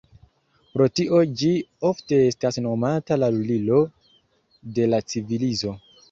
Pro tio ĝi ofte estas nomata la "lulilo de la civilizo".